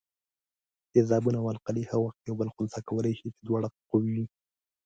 تیزابونه او القلي هغه وخت یو بل خنثي کولای شي چې دواړه قوي وي.